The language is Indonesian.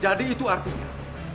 jadi itu artinya